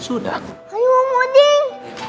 udah selesaikan terapinya pak dokter